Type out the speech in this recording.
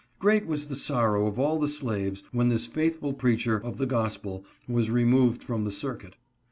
Great was the sorrow of all the slaves when this faithful preacher of the gospel was removed from the circuit.